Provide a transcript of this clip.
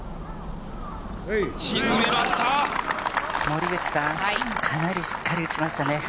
森口さん、かなりしっかり打ちましたね。